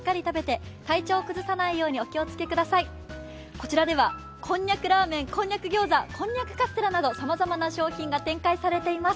こちらではこんにゃくラーメン、こんにゃくカステラなどさまざまな商品が展開されています。